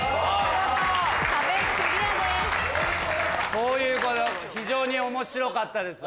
こういうこと非常に面白かったです。